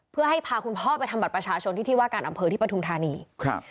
เพื่อให้พาคุณพ่อไปทำบัตรประชาชนที่ที่ว่าการอำเภอที่ปฐุมธานีครับ